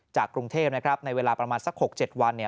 กรุงเทพในเวลาประมาณสัก๖๗วัน